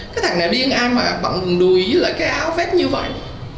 cái thằng này điên ai mà bận đùi với cái áo vét như vậy